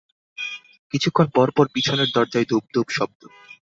কিছুক্ষণ পরপর পিছনের দরজায় ধুপ ধুপ শব্দ।